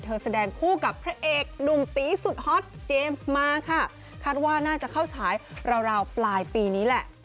แสดงคู่กับพระเอกหนุ่มตีสุดฮอตเจมส์มาค่ะคาดว่าน่าจะเข้าฉายราวราวปลายปีนี้แหละ